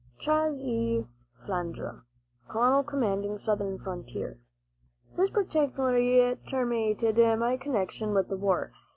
"CHAS. E. FLANDRAU, "Colonel Commanding Southern Frontier." This practically terminated my connection with the war.